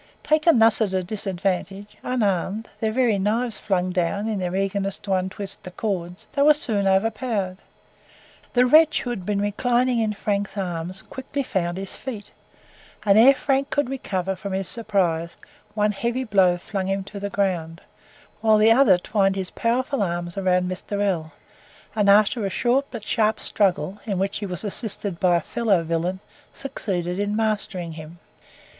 Taken thus at disadvantage, unarmed, their very knives flung down in their eagerness to untwist the cords, they were soon overpowered. The wretch who had been reclining in Frank's arms quickly found his feet, and, ere Frank could recover from his surprise, one heavy blow flung him to the ground; whilst the other twined his powerful arms round Mr. L , and, after a short but sharp struggle, in which he was assisted by a fellow villain, succeeded in mastering him.